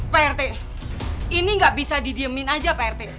pak rt ini nggak bisa didiemin aja pak rt